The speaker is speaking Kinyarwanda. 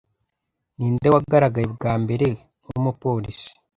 Ninde wagaragaye bwa mbere nkumupolisi